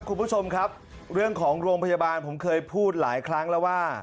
คุณผู้ชมครับเรื่องของโรงพยาบาลผมเคยพูดหลายครั้งแล้วว่า